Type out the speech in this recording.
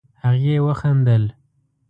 هغې وخندل.